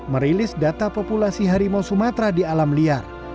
merilis data populasi harimau sumatera di alam liar